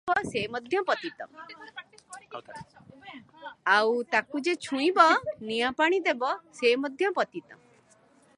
ଆଉ ତାକୁ ଯେ ଛୁଇଁବ, ନିଆଁ ପାଣି ଦେବ, ସେ ମଧ୍ୟ ପତିତ ।